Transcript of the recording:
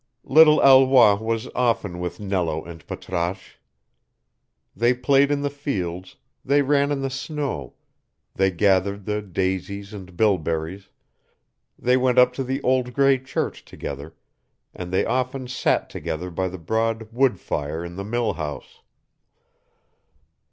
Little Alois was often with Nello and Patrasche. They played in the fields, they ran in the snow, they gathered the daisies and bilberries, they went up to the old gray church together, and they often sat together by the broad wood fire in the mill house.